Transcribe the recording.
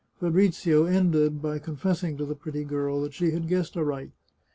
Fabrizio ended by confess ing to the pretty girl that she had guessed aright.